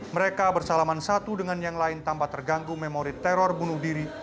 mereka bersalaman satu dengan yang lain tanpa terganggu memori teror bunuh diri